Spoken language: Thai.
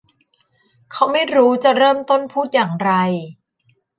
เขาไม่รู้จะเริ่มต้นพูดอย่างไร